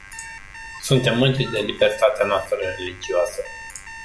Suntem mândri de libertatea noastră religioasă.